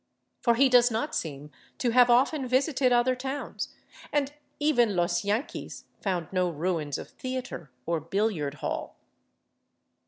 For he does not seem to have often visited other towns, and even " los yanquis " found no ruins of theater or billiard hall.